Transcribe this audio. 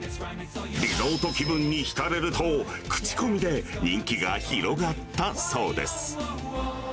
リゾート気分に浸れると、口コミで人気が広がったそうです。